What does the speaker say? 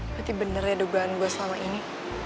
berarti bener ya doban gue selama ini